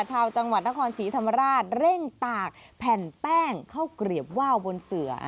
ชาวจังหวัดนครศรีธรรมราชเร่งตากแผ่นแป้งเข้าเกลียบว่าวบนเสือ